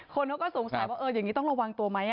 คนเขาก็สงสัยว่าอย่างนี้ต้องระวังตัวไหม